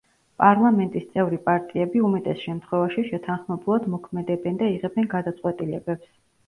პარლამენტის წევრი პარტიები უმეტეს შემთხვევაში შეთანხმებულად მოქმედებენ და იღებენ გადაწყვეტილებებს.